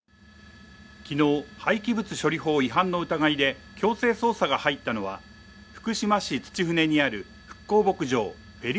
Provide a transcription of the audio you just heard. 昨日廃棄物処理法違反の疑いで強制捜査が入ったのは福島市土船にある復興牧場